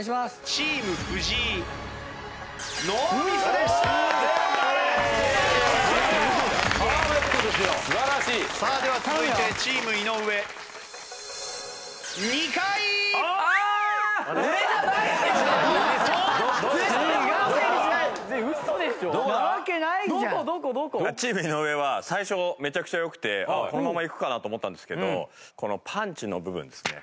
チーム井上は最初めちゃくちゃ良くてこのままいくかなと思ったんですけどこのパンチの部分ですね。